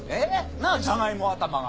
なあじゃがいも頭が！